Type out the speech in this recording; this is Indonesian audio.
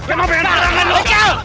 emang pengen berangkan lu